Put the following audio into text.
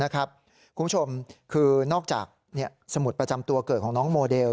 คุณผู้ชมคือนอกจากสมุดประจำตัวเกิดของน้องโมเดล